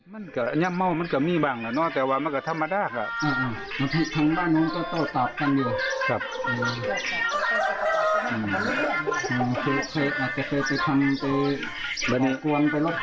มันเคยไปทำไปกลัวนไปรวดกวนใช่ไหมเท่านั้นก็เลย